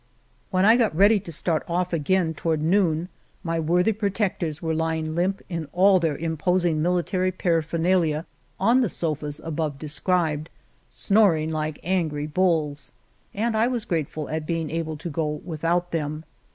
When I got ready to start off again toward noon my worthy protectors were lying limp in all their imposing military paraphernalia on the sofas above described, snoring like angry bulls, and I was grateful at being able to go without them.